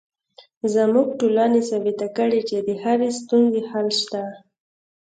زموږ ټولنې ثابته کړې چې د هرې ستونزې حل شته